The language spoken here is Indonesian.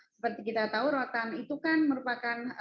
seperti kita tahu rotan itu kan merupakan